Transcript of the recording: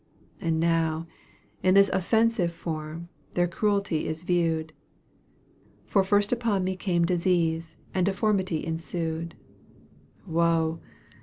And now, in this offensive form, their cruelty is viewed For first upon me came disease and deformity ensued: Woe!